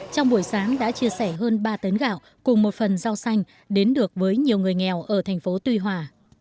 trong buổi sáng đã chia sẻ hơn ba tấn gạo cùng một phần rau xanh đến được với nhiều người nghèo ở thành phố tuy hòa